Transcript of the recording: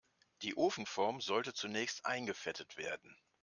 Die Ofenform sollte zunächst eingefettet werden.